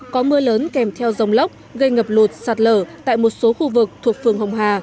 có mưa lớn kèm theo dông lốc gây ngập lụt sạt lở tại một số khu vực thuộc phường hồng hà